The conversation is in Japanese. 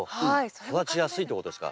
育ちやすいってことですか？